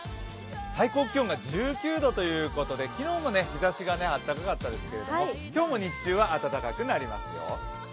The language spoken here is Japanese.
最高気温が１９度ということで、昨日も日ざしが暖かかったですけれども、今日も日中は暖かくなりますよ。